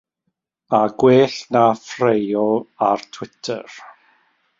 A gwell na ffraeo ar Twitter.